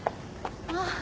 あっ。